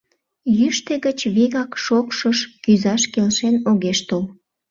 Йӱштӧ гыч вигак шокшыш кӱзаш келшен огеш тол.